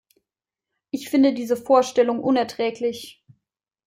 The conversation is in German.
Ich finde diese Vorstellung unerträglich.